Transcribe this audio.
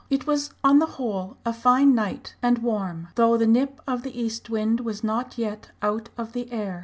It was on the whole a fine night and warm, though the nip of the east wind was not yet out of the air.